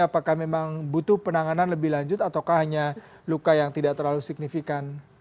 apakah memang butuh penanganan lebih lanjut ataukah hanya luka yang tidak terlalu signifikan